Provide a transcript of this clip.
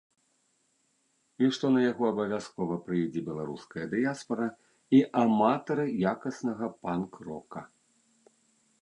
І што на яго абавязкова прыйдзе беларуская дыяспара і аматары якаснага панк-рока.